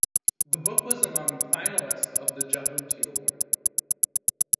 The book was among the finalists of the Jabuti Award.